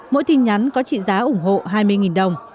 mỗi tin nhắn có trị giá ủng hộ hai mươi đồng